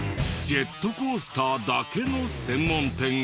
ジェットコースターだけの専門店が。